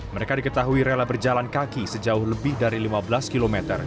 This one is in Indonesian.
mereka diketahui rela berjalan kaki sejauh lebih dari lima belas km